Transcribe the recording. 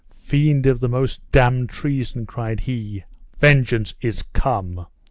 "Fiend of the most damned treason," cried he, "vengeance is come!"